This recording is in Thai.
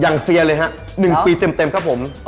เซียเลยฮะ๑ปีเต็มครับผม